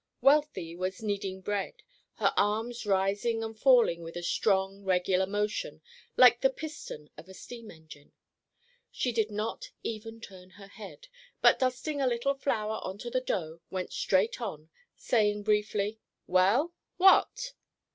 Wealthy was kneading bread, her arms rising and falling with a strong, regular motion, like the piston of a steam engine. She did not even turn her head, but dusting a little flour on to the dough, went straight on saying briefly, "Well, what?"